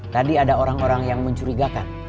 tadi ada orang orang yang mencurigakan